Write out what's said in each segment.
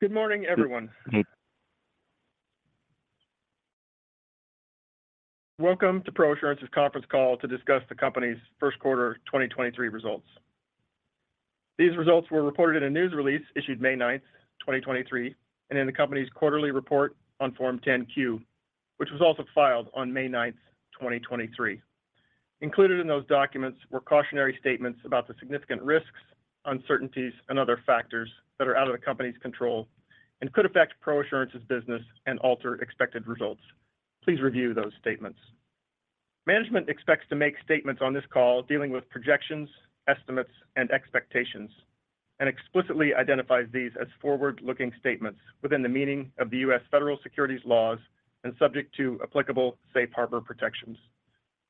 Good morning, everyone. Welcome to ProAssurance's conference call to discuss the company's Q1 2023 results. These results were reported in a news release issued May 9, 2023, and in the company's quarterly report on Form 10-Q, which was also filed on May 9, 2023. Included in those documents were cautionary statements about the significant risks, uncertainties, and other factors that are out of the company's control and could affect ProAssurance's business and alter expected results. Please review those statements. Management expects to make statements on this call dealing with projections, estimates, and expectations, and explicitly identifies these as forward-looking statements within the meaning of the U.S. Federal Securities laws and subject to applicable safe harbor protections.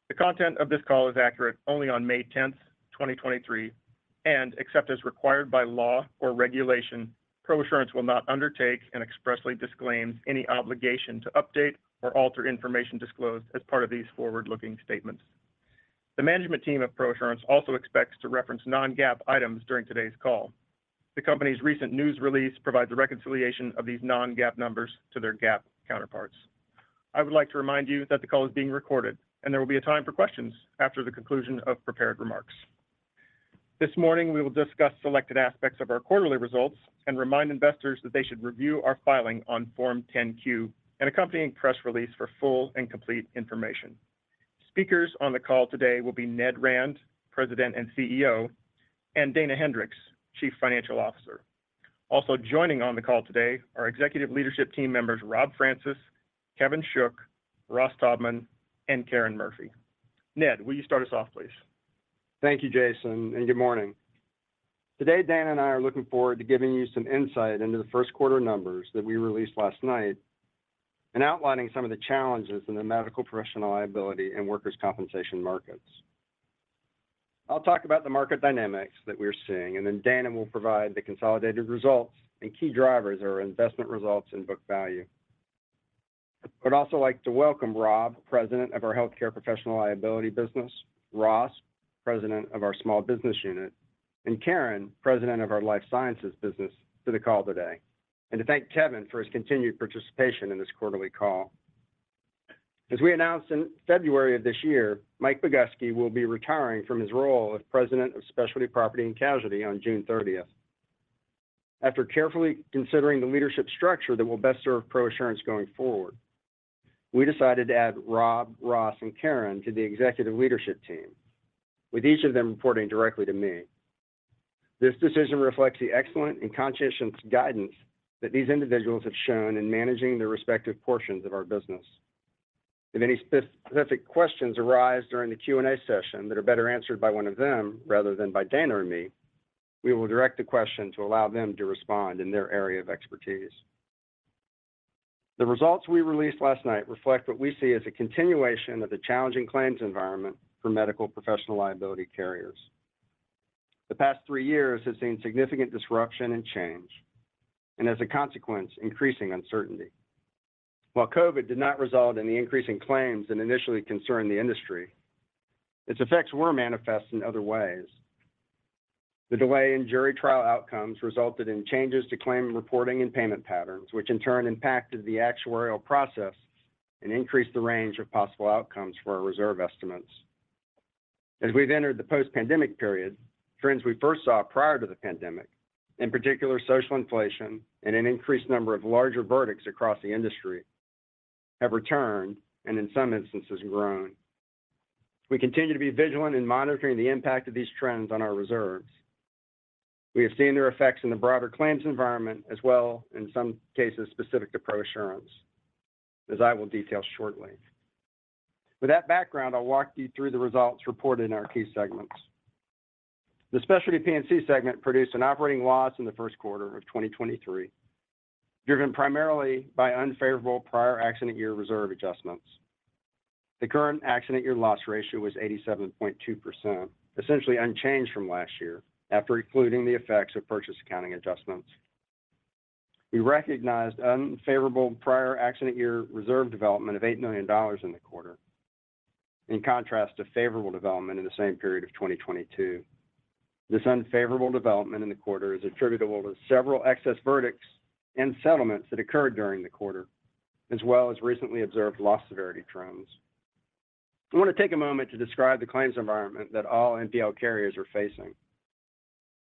The content of this call is accurate only on May 10th, 2023, and except as required by law or regulation, ProAssurance will not undertake and expressly disclaims any obligation to update or alter information disclosed as part of these forward-looking statements. The management team of ProAssurance also expects to reference non-GAAP items during today's call. The company's recent news release provides a reconciliation of these non-GAAP numbers to their GAAP counterparts. I would like to remind you that the call is being recorded, and there will be a time for questions after the conclusion of prepared remarks. This morning, we will discuss selected aspects of our quarterly results and remind investors that they should review our filing on Form 10-Q and accompanying press release for full and complete information. Speakers on the call today will be Ned Rand, President and CEO, and Dana Hendricks, Chief Financial Officer. Also joining on the call today are executive leadership team members Rob Francis, Kevin Shook, Ross Taubman, and Karen Murphy. Ned, will you start us off, please? Thank you, Jason, and good morning. Today, Dana and I are looking forward to giving you some insight into the Q1 numbers that we released last night and outlining some of the challenges in the Medical Professional Liability and workers' compensation markets. I'll talk about the market dynamics that we're seeing, and then Dana will provide the consolidated results and key drivers of our investment results and book value. I'd also like to welcome Rob, President of our Healthcare Professional Liability business, Ross, President of our Small Business unit, and Karen, President of our Life Sciences business, to the call today, and to thank Kevin for his continued participation in this quarterly call. As we announced in February of this year, Mike Boguski will be retiring from his role as President of Specialty Property and Casualty on June 30th. After carefully considering the leadership structure that will best serve ProAssurance going forward, we decided to add Rob, Ross, and Karen to the executive leadership team, with each of them reporting directly to me. This decision reflects the excellent and conscientious guidance that these individuals have shown in managing their respective portions of our business. If any specific questions arise during the Q&A session that are better answered by one of them rather than by Dana or me, we will direct the question to allow them to respond in their area of expertise. The results we released last night reflect what we see as a continuation of the challenging claims environment for Medical Professional Liability carriers. The past three years have seen significant disruption and change, and as a consequence, increasing uncertainty. While COVID did not result in the increase in claims that initially concerned the industry, its effects were manifest in other ways. The delay in jury trial outcomes resulted in changes to claim reporting and payment patterns, which in turn impacted the actuarial process and increased the range of possible outcomes for our reserve estimates. As we've entered the post-pandemic period, trends we first saw prior to the pandemic, in particular social inflation and an increased number of larger verdicts across the industry, have returned, and in some instances, grown. We continue to be vigilant in monitoring the impact of these trends on our reserves. We have seen their effects in the broader claims environment as well, in some cases specific to ProAssurance, as I will detail shortly. With that background, I'll walk you through the results reported in our key segments. The Specialty P&C segment produced an operating loss in the Q1 of 2023, driven primarily by unfavorable prior accident year reserve adjustments. The current accident year loss ratio was 87.2%, essentially unchanged from last year after excluding the effects of purchase accounting adjustments. We recognized unfavorable prior accident year reserve development of $8 million in the quarter, in contrast to favorable development in the same period of 2022. This unfavorable development in the quarter is attributable to several excess verdicts and settlements that occurred during the quarter, as well as recently observed loss severity trends. I want to take a moment to describe the claims environment that all MPL carriers are facing.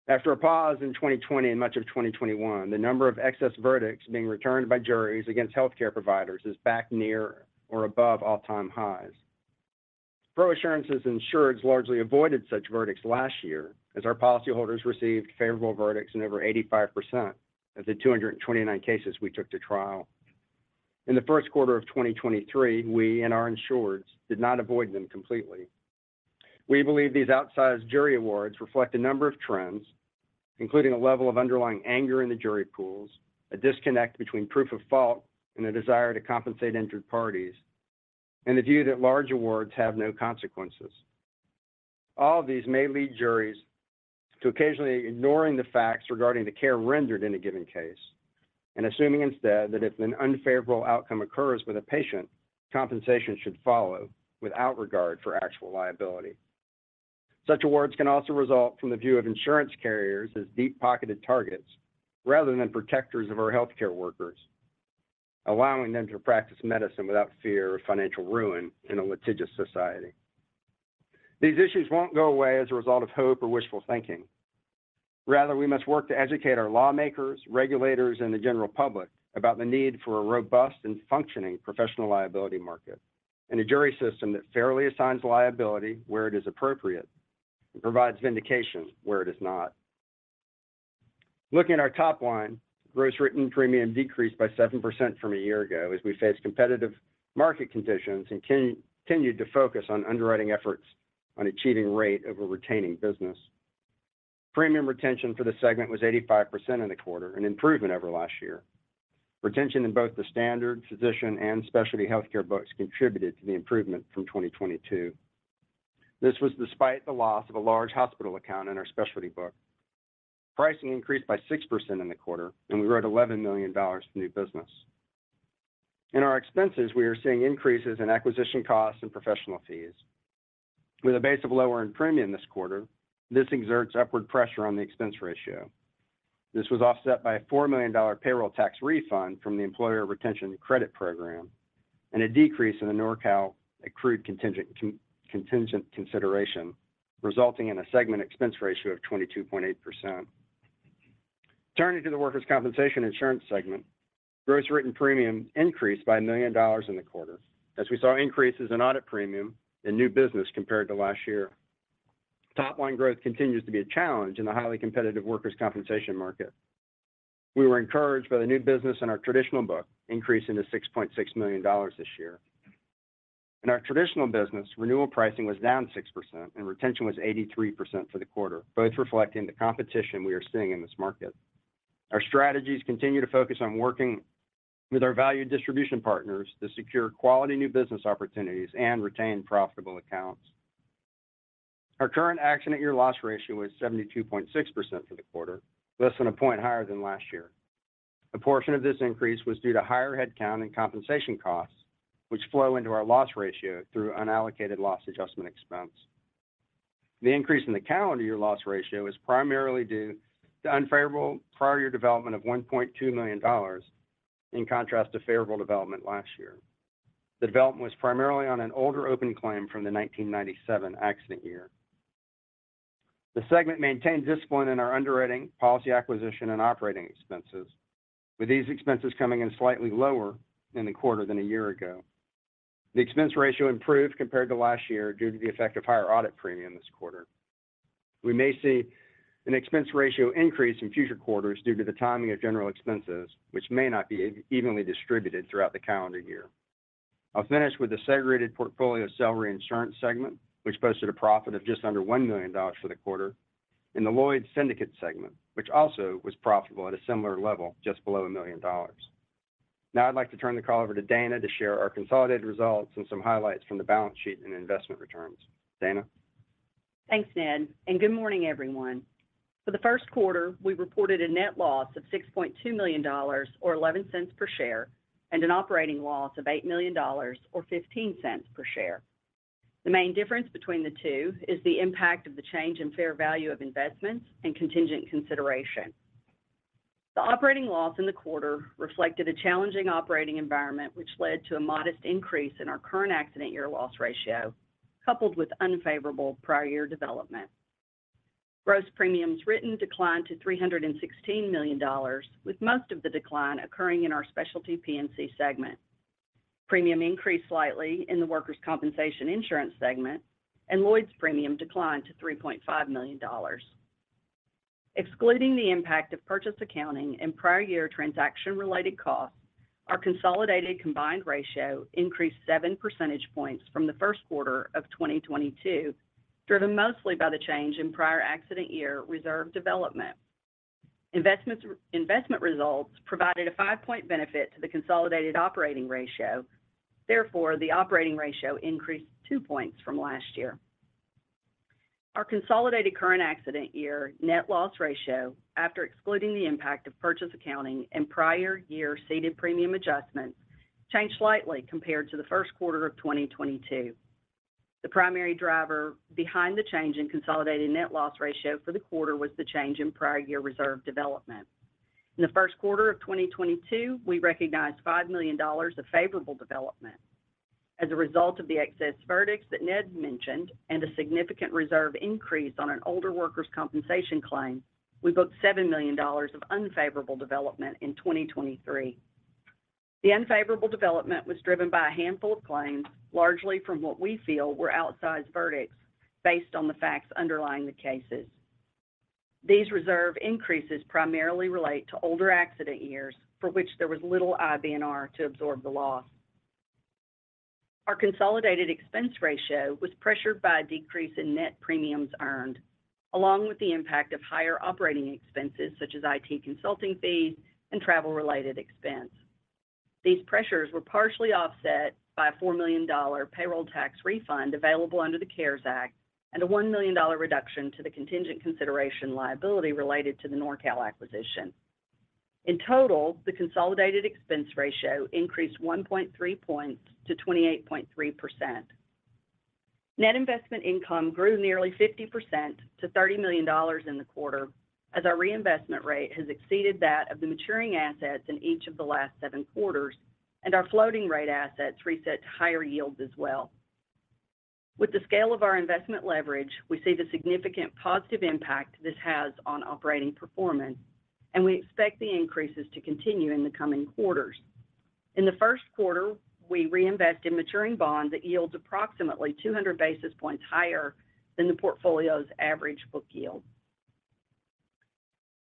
After a pause in 2020 and much of 2021, the number of excess verdicts being returned by juries against healthcare providers is back near or above all-time highs. ProAssurance's insureds largely avoided such verdicts last year, as our policyholders received favorable verdicts in over 85% of the 229 cases we took to trial. In the Q1 of 2023, we and our insureds did not avoid them completely. We believe these outsized jury awards reflect a number of trends, including a level of underlying anger in the jury pools, a disconnect between proof of fault and a desire to compensate injured parties, and the view that large awards have no consequences. All of these may lead juries to occasionally ignoring the facts regarding the care rendered in a given case and assuming instead that if an unfavorable outcome occurs with a patient, compensation should follow without regard for actual liability. Such awards can also result from the view of insurance carriers as deep-pocketed targets rather than protectors of our healthcare workers, allowing them to practice medicine without fear of financial ruin in a litigious society. These issues won't go away as a result of hope or wishful thinking. Rather, we must work to educate our lawmakers, regulators, and the general public about the need for a robust and functioning professional liability market and a jury system that fairly assigns liability where it is appropriate and provides vindication where it is not. Looking at our top line, gross written premium decreased by 7% from a year ago as we faced competitive market conditions and continued to focus on underwriting efforts on achieving rate over retaining business. Premium retention for the segment was 85% in the quarter, an improvement over last year. Retention in both the standard physician and specialty healthcare books contributed to the improvement from 2022. This was despite the loss of a large hospital account in our specialty book. Pricing increased by 6% in the quarter, and we wrote $11 million to new business. In our expenses, we are seeing increases in acquisition costs and professional fees. With a base of lower earned premium this quarter, this exerts upward pressure on the expense ratio. This was offset by a $4 million payroll tax refund from the Employee Retention Credit program and a decrease in the NORCAL Accrued Contingent Consideration, resulting in a segment expense ratio of 22.8%. Turning to the Workers' Compensation Insurance segment, gross written premium increased by $1 million in the quarter as we saw increases in audit premium and new business compared to last year. Top line growth continues to be a challenge in the highly competitive workers' compensation market. We were encouraged by the new business in our traditional book, increasing to $6.6 million this year. In our traditional business, renewal pricing was down 6% and retention was 83% for the quarter, both reflecting the competition we are seeing in this market. Our strategies continue to focus on working with our valued distribution partners to secure quality new business opportunities and retain profitable accounts. Our current accident year loss ratio was 72.6% for the quarter, less than a point higher than last year. A portion of this increase was due to higher headcount and compensation costs, which flow into our loss ratio through unallocated loss adjustment expense. The increase in the calendar year loss ratio is primarily due to unfavorable prior year development of $1.2 million, in contrast to favorable development last year. The development was primarily on an older open claim from the 1997 accident year. The segment maintained discipline in our underwriting, policy acquisition, and operating expenses, with these expenses coming in slightly lower in the quarter than a year ago. The expense ratio improved compared to last year due to the effect of higher audit premium this quarter. We may see an expense ratio increase in future quarters due to the timing of general expenses, which may not be evenly distributed throughout the calendar year. I'll finish with the Segregated Portfolio Cell Reinsurance segment, which posted a profit of just under $1 million for the quarter, and the Lloyd's Syndicate segment, which also was profitable at a similar level just below $1 million. I'd like to turn the call over to Dana to share our consolidated results and some highlights from the balance sheet and investment returns. Dana? Thanks, Ned, and good morning, everyone. For the Q1, we reported a net loss of $6.2 million or $0.11 per share and an operating loss of $8 million or $0.15 per share. The main difference between the two is the impact of the change in fair value of investments and contingent consideration. The operating loss in the quarter reflected a challenging operating environment, which led to a modest increase in our current accident year loss ratio, coupled with unfavorable prior year development. Gross premiums written declined to $316 million, with most of the decline occurring in our Specialty P&C segment. Premium increased slightly in the Workers' Compensation Insurance segment, and Lloyd's premium declined to $3.5 million. Excluding the impact of purchase accounting and prior year transaction-related costs, our consolidated combined ratio increased 7 percentage points from the Q1 of 2022, driven mostly by the change in prior accident year reserve development. Investments, investment results provided a five-point benefit to the consolidated operating ratio. Therefore, the operating ratio increased two points from last year. Our consolidated current accident year net loss ratio, after excluding the impact of purchase accounting and prior year ceded premium adjustments, changed slightly compared to the Q1 of 2022. The primary driver behind the change in consolidated net loss ratio for the quarter was the change in prior year reserve development. In the Q1 of 2022, we recognized $5 million of favorable development. As a result of the excess verdicts that Ned mentioned and a significant reserve increase on an older workers' compensation claim, we booked $7 million of unfavorable development in 2023. The unfavorable development was driven by a handful of claims, largely from what we feel were outsized verdicts based on the facts underlying the cases. These reserve increases primarily relate to older accident years for which there was little IBNR to absorb the loss. Our consolidated expense ratio was pressured by a decrease in net premiums earned, along with the impact of higher operating expenses such as IT consulting fees and travel-related expense. These pressures were partially offset by a $4 million payroll tax refund available under the CARES Act and a $1 million reduction to the contingent consideration liability related to the NORCAL acquisition. In total, the consolidated expense ratio increased 1.3 points to 28.3%. Net investment income grew nearly 50% to $30 million in the quarter as our reinvestment rate has exceeded that of the maturing assets in each of the last seven quarters. Our floating rate assets reset to higher yields as well. With the scale of our investment leverage, we see the significant positive impact this has on operating performance, and we expect the increases to continue in the coming quarters. In the Q1, we reinvest in maturing bonds that yields approximately 200 basis points higher than the portfolio's average book yield.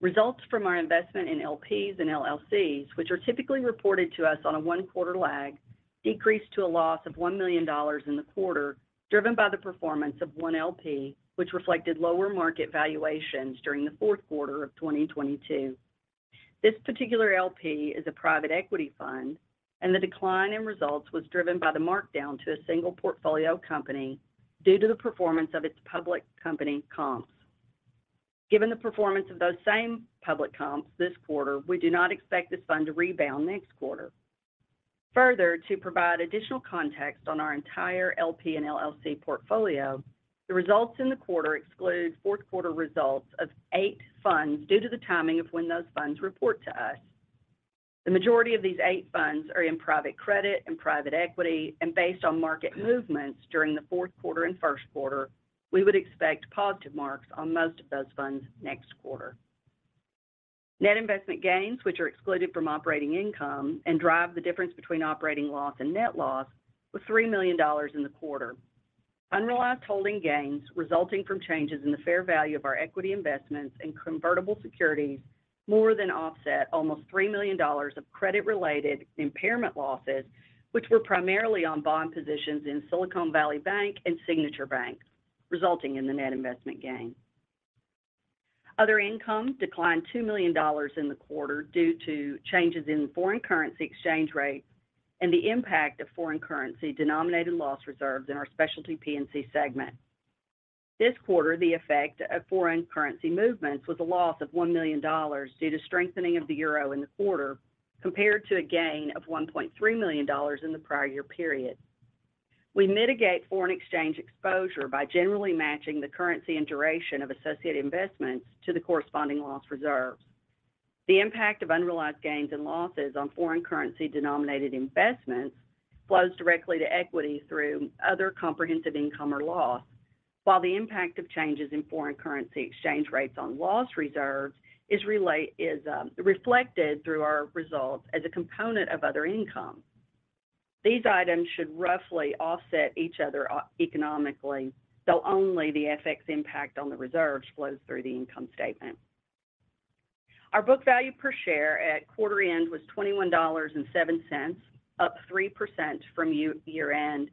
Results from our investment in LPs and LLCs, which are typically reported to us on a one-quarter lag, decreased to a loss of $1 million in the quarter, driven by the performance of 1 LP, which reflected lower market valuations during the Q4 of 2022. This particular LP is a private equity fund, and the decline in results was driven by the markdown to a single portfolio company due to the performance of its public company comps. Given the performance of those same public comps this quarter, we do not expect this fund to rebound next quarter. To provide additional context on our entire LP and LLC portfolio, the results in the quarter exclude Q4 results of 8 funds due to the timing of when those funds report to us. The majority of these eight funds are in private credit and private equity, based on market movements during the Q4 and Q1, we would expect positive marks on most of those funds next quarter. Net investment gains, which are excluded from operating income and drive the difference between operating loss and net loss, was $3 million in the quarter. Unrealized holding gains resulting from changes in the fair value of our equity investments and convertible securities more than offset almost $3 million of credit-related impairment losses, which were primarily on bond positions in Silicon Valley Bank and Signature Bank, resulting in the net investment gain. Other income declined $2 million in the quarter due to changes in foreign currency exchange rate and the impact of foreign currency denominated loss reserves in our Specialty P&C segment. This quarter, the effect of foreign currency movements was a loss of $1 million due to strengthening of the EUR in the quarter compared to a gain of $1.3 million in the prior year period. We mitigate foreign exchange exposure by generally matching the currency and duration of associated investments to the corresponding loss reserves. The impact of unrealized gains and losses on foreign currency denominated investments flows directly to equity through other comprehensive income or loss. While the impact of changes in foreign currency exchange rates on loss reserves is reflected through our results as a component of other income. These items should roughly offset each other economically, though only the FX impact on the reserves flows through the income statement. Our book value per share at quarter end was $21.07, up 3% from year-end,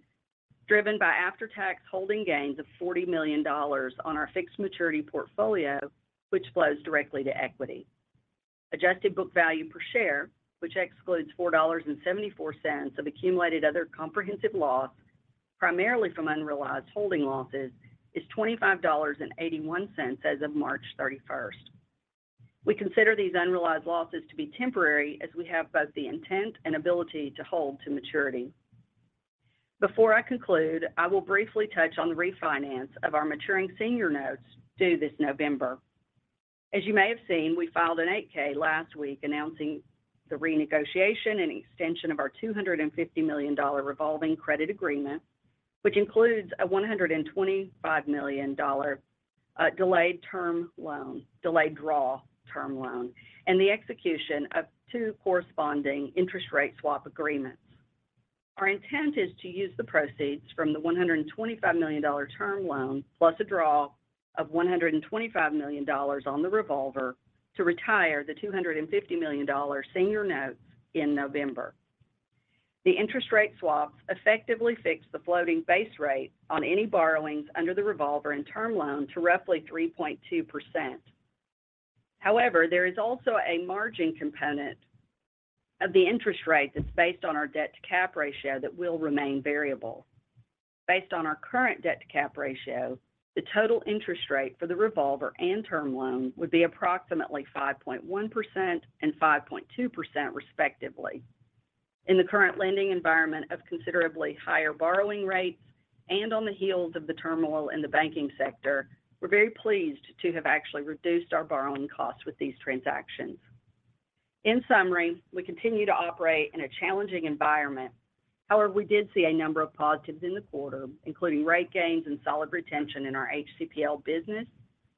driven by after-tax holding gains of $40 million on our fixed maturity portfolio, which flows directly to equity. Adjusted book value per share, which excludes $4.74 of accumulated other comprehensive loss, primarily from unrealized holding losses, is $25.81 as of March 31st. We consider these unrealized losses to be temporary as we have both the intent and ability to hold to maturity. Before I conclude, I will briefly touch on the refinance of our maturing senior notes due this November. As you may have seen, we filed an 8-K last week announcing the renegotiation and extension of our $250 million revolving credit agreement, which includes a $125 million delayed draw term loan and the execution of two corresponding interest rate swap agreements. Our intent is to use the proceeds from the $125 million term loan, plus a draw of $125 million on the revolver to retire the $250 million senior notes in November. The interest rate swaps effectively fix the floating base rate on any borrowings under the revolver and term loan to roughly 3.2%. There is also a margin component of the interest rate that's based on our debt to cap ratio that will remain variable. Based on our current debt to cap ratio, the total interest rate for the revolver and term loan would be approximately 5.1% and 5.2%, respectively. In the current lending environment of considerably higher borrowing rates and on the heels of the turmoil in the banking sector, we're very pleased to have actually reduced our borrowing costs with these transactions. In summary, we continue to operate in a challenging environment. We did see a number of positives in the quarter, including rate gains and solid retention in our HCPL business,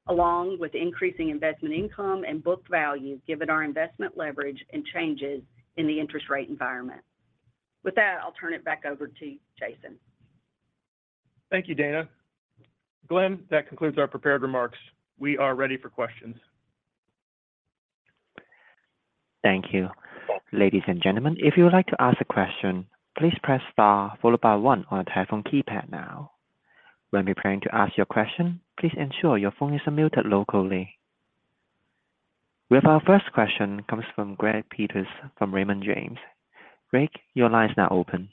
along with increasing investment income and book value, given our investment leverage and changes in the interest rate environment. With that, I'll turn it back over to Jason. Thank you, Dana. Glenn, that concludes our prepared remarks. We are ready for questions. Thank you. Ladies and gentlemen, if you would like to ask a question, please press star followed by one on your telephone keypad now. When preparing to ask your question, please ensure your phone is muted locally. We have our first question comes from Greg Peters from Raymond James. Greg, your line is now open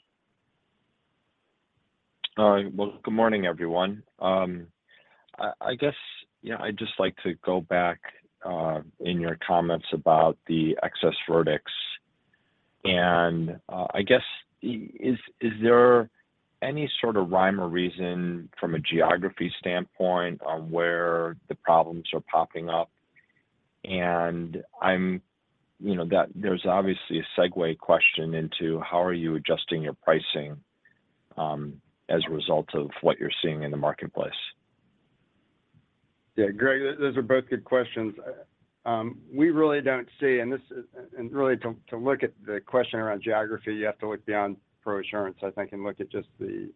All right. Well, good morning everyone. I guess, you know, I'd just like to go back, in your comments about the excess verdicts, and, I guess is there any sort of rhyme or reason from a geography standpoint on where the problems are popping up? I'm, you know, that there's obviously a segue question into how are you adjusting your pricing, as a result of what you're seeing in the marketplace? Yeah, Greg, those are both good questions. We really don't see... Really to look at the question around geography, you have to look beyond ProAssurance, I think, and look at just the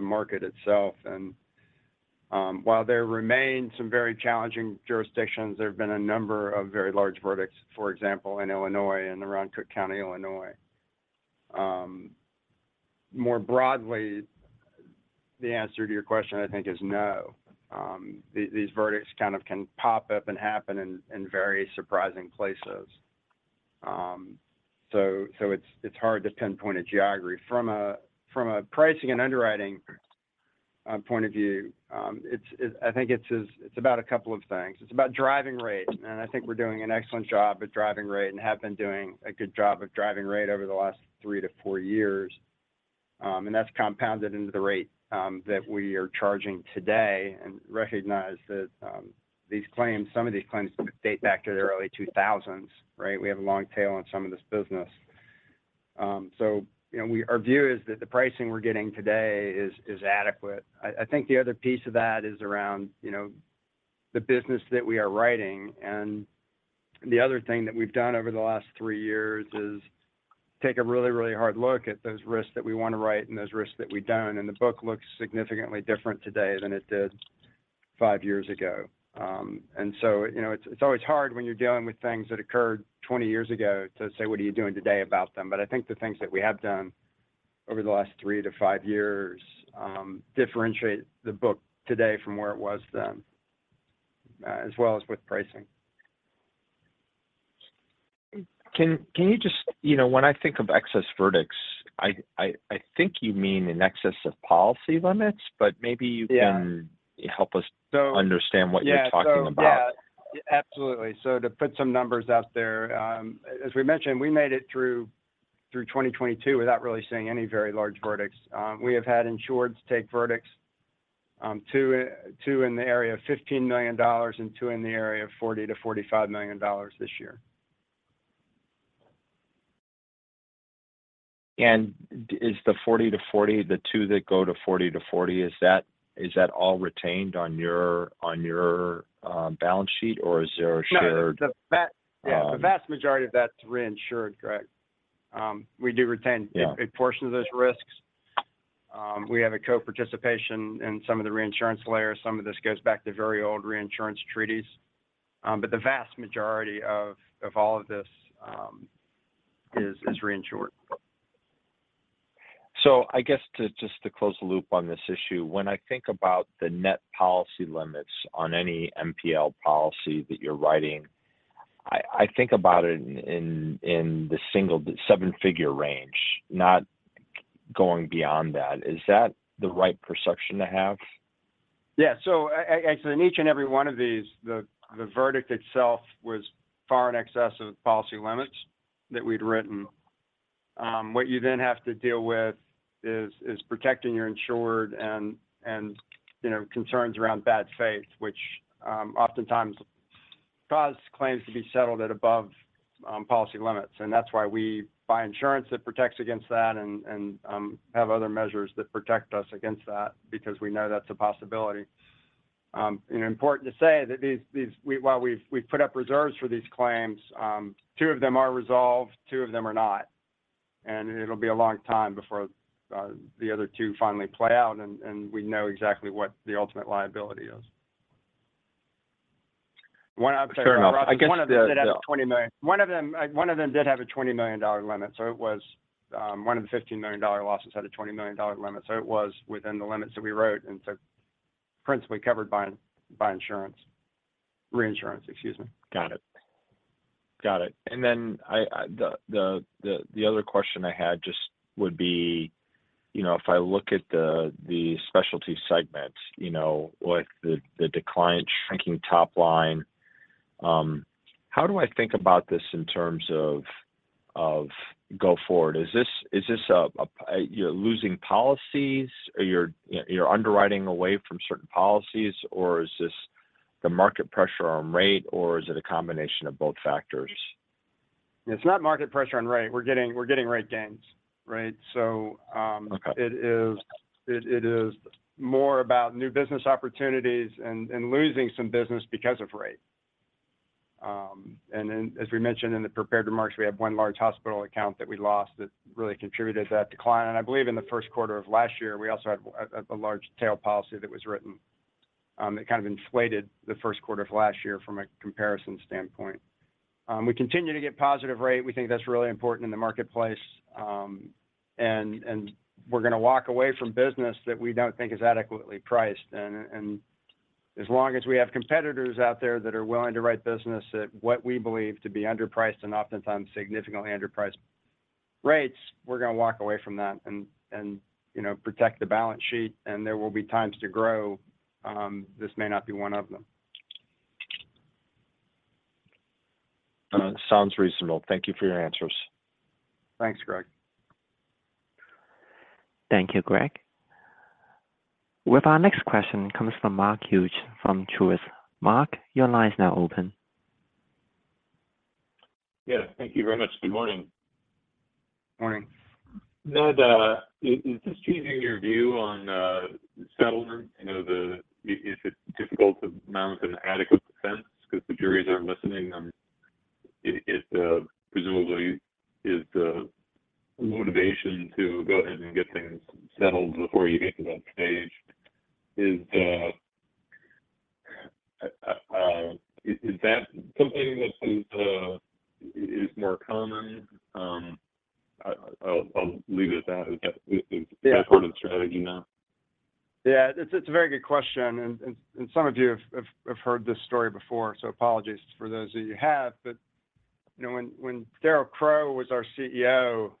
market itself. While there remain some very challenging jurisdictions, there have been a number of very large verdicts, for example, in Illinois and around Cook County, Illinois. More broadly, the answer to your question, I think, is no. These verdicts kind of can pop up and happen in very surprising places. It's hard to pinpoint a geography. From a pricing and underwriting point of view, I think it's about a couple of things. It's about driving rate, I think we're doing an excellent job at driving rate and have been doing a good job of driving rate over the last three to four years. That's compounded into the rate that we are charging today and recognize that these claims, some of these claims date back to the early 2000s, right. We have a long tail on some of this business. You know, our view is that the pricing we're getting today is adequate. I think the other piece of that is around, you know, the business that we are writing. The other thing that we've done over the last three years is take a really, really hard look at those risks that we want to write and those risks that we don't. The book looks significantly different today than it did five years ago. You know, it's always hard when you're dealing with things that occurred 20 years ago to say, what are you doing today about them? I think the things that we have done over the last three to five years differentiate the book today from where it was then as well as with pricing. Can you just... You know, when I think of excess verdicts, I think you mean in excess of policy limits, but maybe you can... Yeah help us. So- understand what you're talking about. Yeah. Yeah, absolutely. To put some numbers out there, as we mentioned, we made it through 2022 without really seeing any very large verdicts. We have had insureds take verdicts, two in the area of $15 million and two in the area of $40 million-$45 million this year. Is the 40-40, the 2 that go to 40-40, is that all retained on your balance sheet, or is there a shared... No. The... the vast majority of that's reinsured, Greg. We do Yeah... a portion of those risks. We have a co-participation in some of the reinsurance layers. Some of this goes back to very old reinsurance treaties. The vast majority of all of this is reinsured. I guess to, just to close the loop on this issue, when I think about the net policy limits on any MPL policy that you're writing, I think about it in the single seven-figure range, not going beyond that. Is that the right perception to have? Yeah. In each and every one of these, the verdict itself was far in excess of policy limits that we'd written. What you then have to deal with is protecting your insured and, you know, concerns around bad faith, which oftentimes cause claims to be settled at above policy limits. That's why we buy insurance that protects against that and, have other measures that protect us against that because we know that's a possibility. Important to say that these, while we've put up reserves for these claims, two of them are resolved, two of them are not. It'll be a long time before the other two finally play out and we know exactly what the ultimate liability is. One of the- Fair enough. I guess. One of them did have a $20 million limit. It was one of the $15 million losses had a $20 million limit, so it was within the limits that we wrote and principally covered by insurance. Reinsurance, excuse me. Got it. Got it. Then the other question I had just would be, you know, if I look at the Specialty segments, you know, with the decline shrinking top line, how do I think about this in terms of go forward? Is this, you know, losing policies? Are you underwriting away from certain policies, or is this the market pressure on rate, or is it a combination of both factors? It's not market pressure on rate. We're getting rate gains. Right? Okay... it is more about new business opportunities and losing some business because of rate. Then as we mentioned in the prepared remarks, we have one large hospital account that we lost that really contributed to that decline. I believe in the Q1 of last year, we also had a large tail policy that was written that kind of inflated the Q1 of last year from a comparison standpoint. We continue to get positive rate. We think that's really important in the marketplace. We're gonna walk away from business that we don't think is adequately priced. As long as we have competitors out there that are willing to write business at what we believe to be underpriced and oftentimes significantly underpriced rates, we're going to walk away from that and, you know, protect the balance sheet, and there will be times to grow. This may not be one of them. Sounds reasonable. Thank you for your answers. Thanks, Greg. Thank you, Greg. With our next question comes from Mark Hughes from Truist. Mark, your line is now open. Yeah, thank you very much. Good morning. Morning. Ned, is this changing your view on settlement? You know, if it's difficult to mount an adequate defense because the juries aren't listening, presumably is the motivation to go ahead and get things settled before you get to that stage, is that something that is more common? I'll leave it at that. Is that part of the strategy now? Yeah. It's a very good question, and some of you have heard this story before, so apologies for those of you have. You know, when Darryl Crowe was our CEO,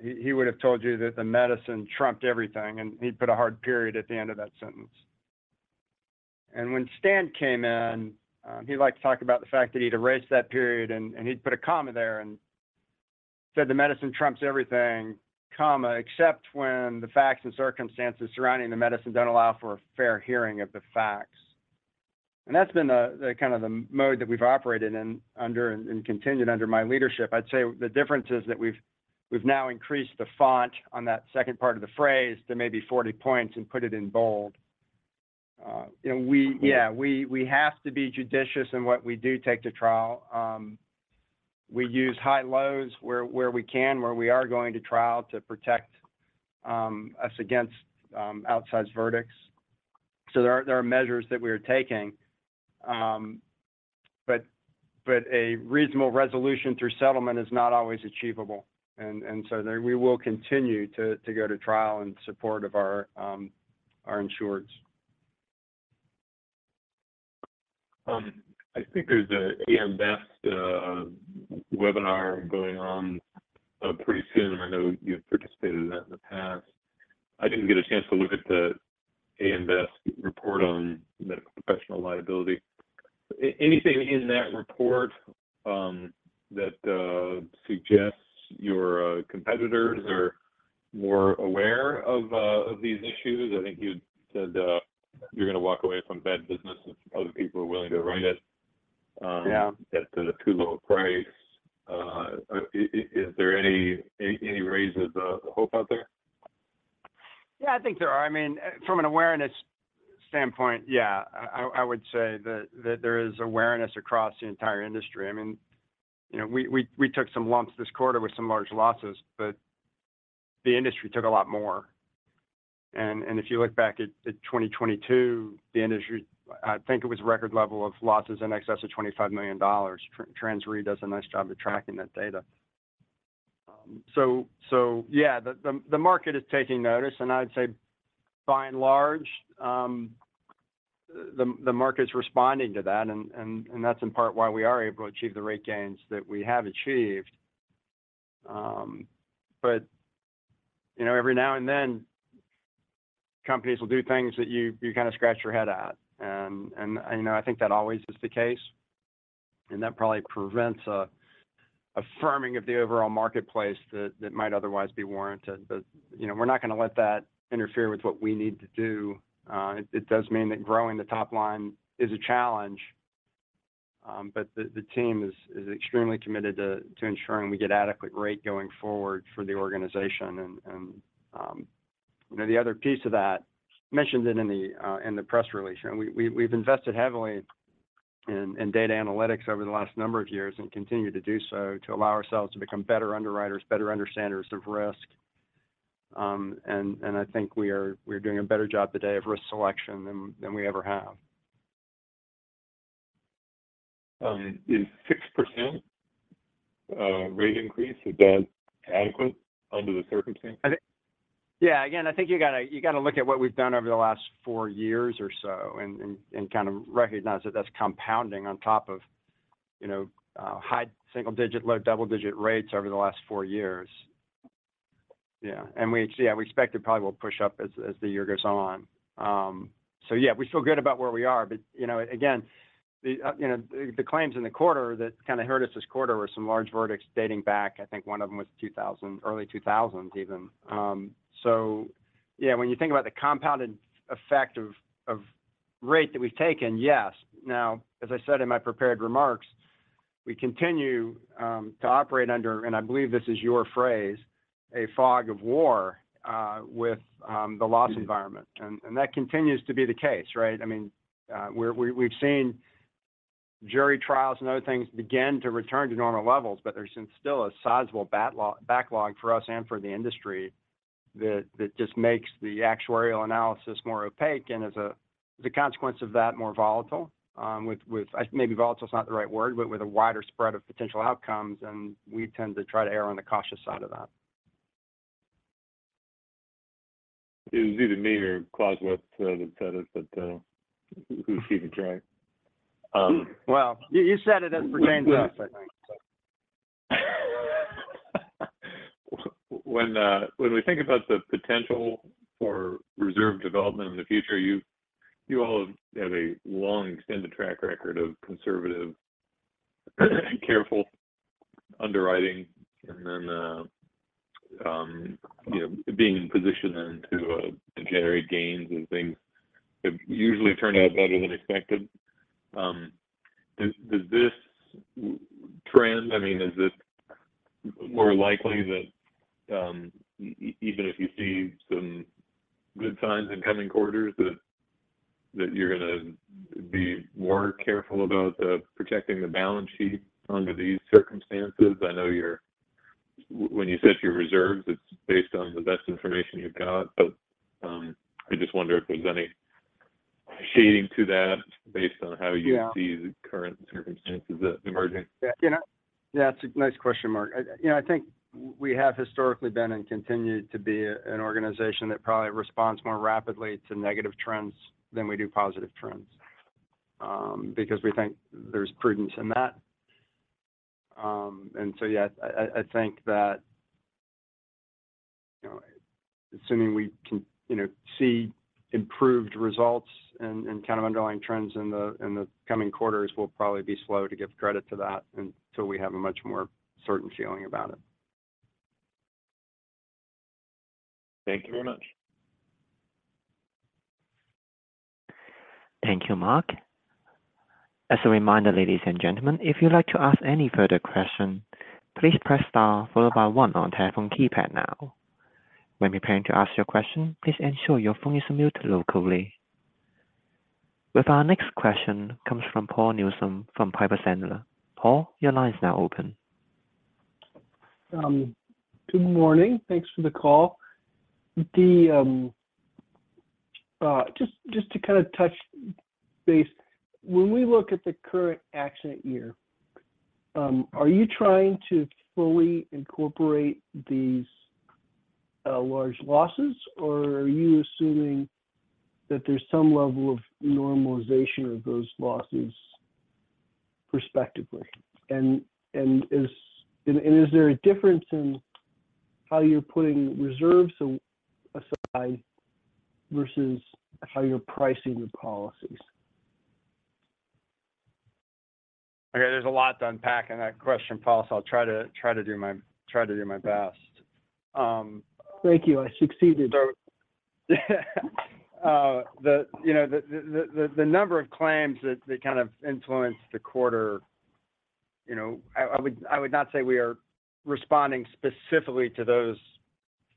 he would have told you that the medicine trumped everything, and he'd put a hard period at the end of that sentence. When Stan came in, he liked to talk about the fact that he'd erase that period, and he'd put a comma there and said, "The medicine trumps everything, comma, except when the facts and circumstances surrounding the medicine don't allow for a fair hearing of the facts." That's been the kind of the mode that we've operated in, under and continued under my leadership. I'd say the difference is that we've now increased the font on that second part of the phrase to maybe 40 points and put it in bold. you know, we have to be judicious in what we do take to trial. We use high lows where we can, where we are going to trial to protect us against outsized verdicts. There are measures that we are taking, but a reasonable resolution through settlement is not always achievable. We will continue to go to trial in support of our insureds. I think there's a AM Best webinar going on pretty soon. I know you've participated in that in the past. I didn't get a chance to look at the AM Best report on medical professional liability. Anything in that report that suggests your competitors are more aware of these issues? I think you said you're gonna walk away from bad business if other people are willing to write it. Yeah... at a too low a price. Is there any rays of hope out there? Yeah, I think there are. I mean, from an awareness standpoint, yeah, I would say that there is awareness across the entire industry. I mean, you know, we took some lumps this quarter with some large losses, but the industry took a lot more. If you look back at 2022, the industry, I think it was record level of losses in excess of $25 million. TransRe does a nice job of tracking that data. So yeah, the market is taking notice, I'd say by and large, the market's responding to that and that's in part why we are able to achieve the rate gains that we have achieved. You know, every now and then, companies will do things that you kind of scratch your head at. You know, I think that always is the case, and that probably prevents a firming of the overall marketplace that might otherwise be warranted. You know, we're not gonna let that interfere with what we need to do. It does mean that growing the top line is a challenge, but the team is extremely committed to ensuring we get adequate rate going forward for the organization. You know, the other piece of that, mentioned it in the press release, and we've invested heavily in data analytics over the last number of years and continue to do so to allow ourselves to become better underwriters, better understandings of risk. And I think we're doing a better job today of risk selection than we ever have. Is 6% rate increase, is that adequate under the circumstances? I think. Yeah. Again, I think you gotta, you gotta look at what we've done over the last four years or so and kind of recognize that that's compounding on top of, you know, high single-digit, low double-digit rates over the last four years. Yeah. We see, I respect it probably will push up as the year goes on. Yeah, we feel good about where we are. You know, again, the, you know, the claims in the quarter that kind of hurt us this quarter were some large verdicts dating back, I think one of them was 2000, early 2000s even. Yeah, when you think about the compounded effect of rate that we've taken, yes. As I said in my prepared remarks, we continue to operate under, and I believe this is your phrase, a fog of war with the loss environment. That continues to be the case, right? I mean, we've seen jury trials and other things begin to return to normal levels, but there's still a sizable backlog for us and for the industry that just makes the actuarial analysis more opaque and as a consequence of that, more volatile, with... Maybe volatile is not the right word, but with a wider spread of potential outcomes, and we tend to try to err on the cautious side of that. It was either me or James West that said it, but, we've seen it, right? You said it as for James West, I think so. When we think about the potential for reserve development in the future, you all have a long extended track record of conservative, careful underwriting and then, you know, being in position then to generate gains and things have usually turned out better than expected. Does this trend, I mean, is this more likely that, even if you see some good signs in coming quarters that you're gonna be more careful about protecting the balance sheet under these circumstances? I know when you set your reserves, it's based on the best information you've got. But, I just wonder if there's any shading to that based on how you... Yeah... see the current circumstances, the emerging. Yeah. You know, that's a nice question, Mark. I, you know, I think we have historically been and continue to be an organization that probably responds more rapidly to negative trends than we do positive trends, because we think there's prudence in that. Yeah, I think that, you know, assuming we can, you know, see improved results and kind of underlying trends in the, in the coming quarters will probably be slow to give credit to that until we have a much more certain feeling about it. Thank you very much. Thank you, Mark. As a reminder, ladies and gentlemen, if you'd like to ask any further question, please press star followed by one on telephone keypad now. When preparing to ask your question, please ensure your phone is muted locally. With our next question comes from Paul Newsome from Piper Sandler. Paul, your line is now open. Good morning. Thanks for the call. The, just to kind base, when we look at the current accident year, are you trying to fully incorporate these, large losses, or are you assuming that there's some level of normalization of those losses perspectively? Is there a difference in how you're putting reserves aside versus how you're pricing the policies? Okay, there's a lot to unpack in that question, Paul, I'll try to do my best. Thank you. I succeeded. The, you know, the number of claims that kind of influenced the quarter, you know, I would not say we are responding specifically to those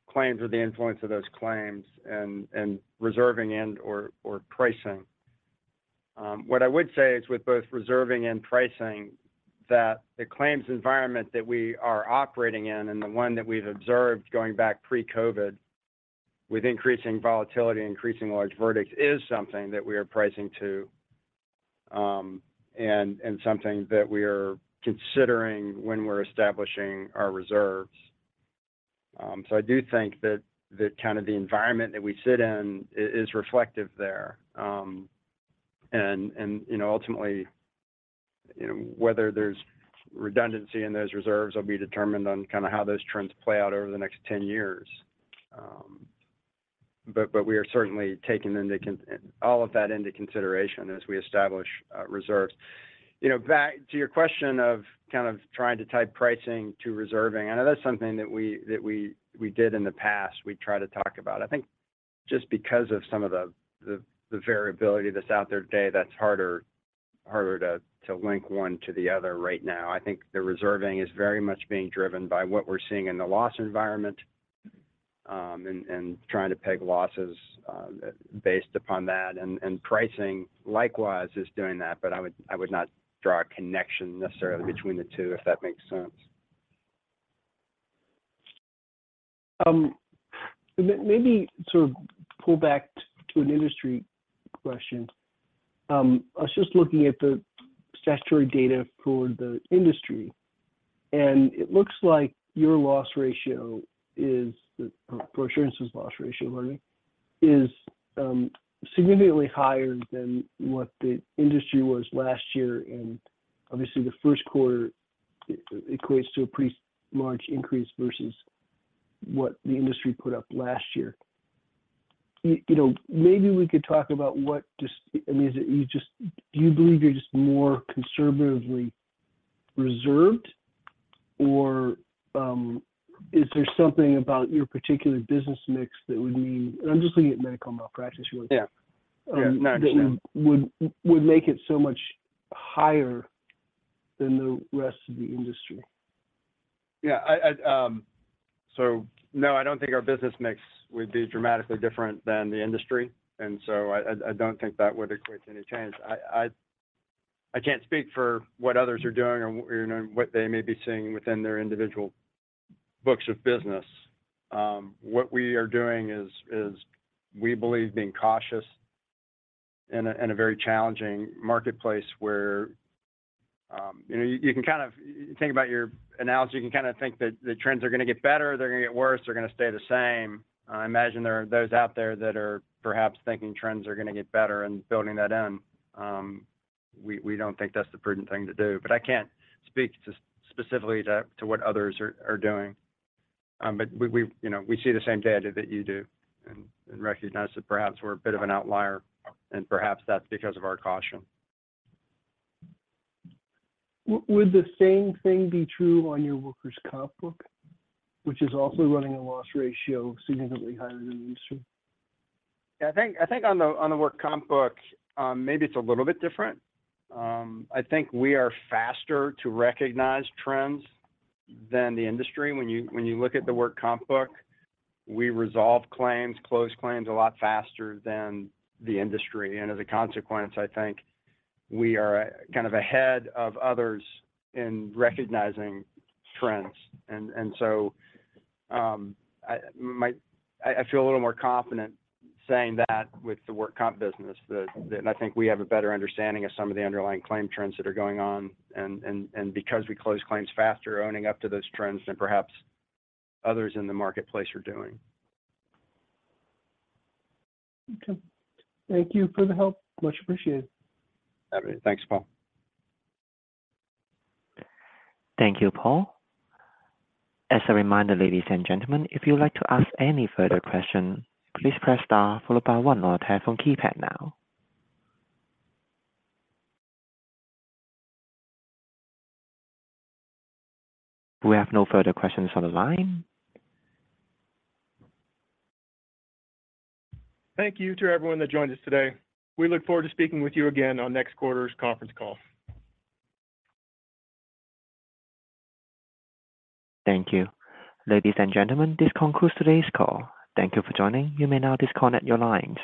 claims or the influence of those claims and reserving and/or pricing. What I would say is with both reserving and pricing, that the claims environment that we are operating in and the one that we've observed going back pre-COVID with increasing volatility, increasing large verdicts is something that we are pricing to, and something that we are considering when we're establishing our reserves. So I do think that the kind of the environment that we sit in is reflective there. And, you know, ultimately, you know, whether there's redundancy in those reserves will be determined on kind of how those trends play out over the next 10 years. We are certainly taking all of that into consideration as we establish reserves. You know, back to your question of kind of trying to tie pricing to reserving, I know that's something that we did in the past, we try to talk about. I think just because of some of the variability that's out there today, that's harder to link one to the other right now. I think the reserving is very much being driven by what we're seeing in the loss environment, and trying to peg losses based upon that. Pricing likewise is doing that. I would not draw a connection necessarily between the two, if that makes sense. Maybe sort of pull back to an industry question. I was just looking at the statutory data for the industry, it looks like your loss ratio is, for insurance's loss ratio, rather, is significantly higher than what the industry was last year, obviously the Q1 equates to a pretty large increase versus what the industry put up last year. You know, maybe we could talk about I mean, do you believe you're just more conservatively reserved or is there something about your particular business mix that would mean? I'm just looking at medical malpractice really. Yeah. Yeah. That would make it so much higher than the rest of the industry. Yeah. I don't think our business mix would be dramatically different than the industry. I, I don't think that would equate to any change. I, I can't speak for what others are doing or, you know, what they may be seeing within their individual books of business. What we are doing is we believe being cautious in a very challenging marketplace where, you know, you can kind of think about your analogy. You can kind of think that the trends are gonna get better, they're gonna get worse, they're gonna stay the same. I imagine there are those out there that are perhaps thinking trends are gonna get better and building that in. We don't think that's the prudent thing to do. I can't speak to specifically to what others are doing. We, you know, we see the same data that you do and recognize that perhaps we're a bit of an outlier and perhaps that's because of our caution. Would the same thing be true on your workers' comp book, which is also running a loss ratio significantly higher than the industry? Yeah, I think on the work comp book, maybe it's a little bit different. I think we are faster to recognize trends than the industry. When you look at the work comp book, we resolve claims, close claims a lot faster than the industry. As a consequence, I think we are kind of ahead of others in recognizing trends. So, I feel a little more confident saying that with the work comp business that I think we have a better understanding of some of the underlying claim trends that are going on and because we close claims faster, owning up to those trends than perhaps others in the marketplace are doing. Okay. Thank you for the help. Much appreciated. All right. Thanks, Paul. Thank you, Paul. As a reminder, ladies and gentlemen, if you would like to ask any further question, please press star followed by one on your telephone keypad now. We have no further questions on the line. Thank you to everyone that joined us today. We look forward to speaking with you again on next quarter's conference call. Thank you. Ladies and gentlemen, this concludes today's call. Thank you for joining. You may now disconnect your lines.